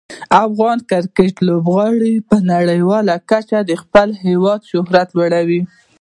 افغان کرکټ لوبغاړي په نړیواله کچه د خپل هیواد شهرت لوړوي.